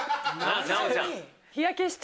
奈央ちゃん。